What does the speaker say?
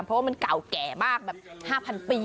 เพราะว่ามันเก่าแก่มากแบบ๕๐๐ปี